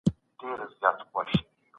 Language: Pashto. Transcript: خدمات هم په اقتصادي پرمختیا کي مهم رول لري.